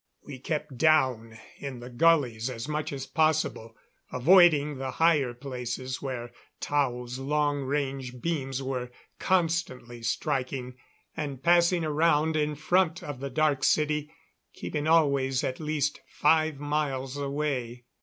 We kept down in the gulleys as much as possible, avoiding the higher places where Tao's long range beams were constantly striking, and passed around in front of the Dark City, keeping always at least five miles away.